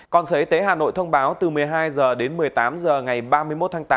còn sở y tế hà nội thông báo từ một mươi hai h đến một mươi tám h ngày ba mươi một tháng tám